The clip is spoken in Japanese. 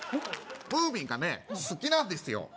ムーミンがね好きなんですよ